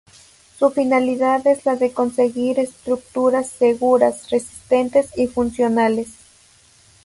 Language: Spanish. Su finalidad es la de conseguir estructuras seguras, resistentes y funcionales.